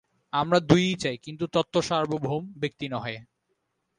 আমরা দুই-ই চাই, কিন্তু তত্ত্ব সার্বভৌম, ব্যক্তি নহে।